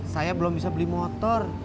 saya belum bisa beli motor